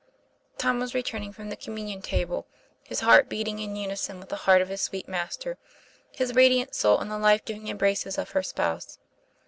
Tom was returning from the communion table, his heart beating in unison with the heart of his sweet Master, his radiant soul in the life giving embraces of her Spouse.